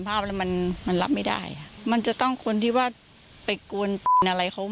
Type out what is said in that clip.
ภาพมันรับไม่ได้มันจะต้องควรที่ว่าไปกวนอะไรเขา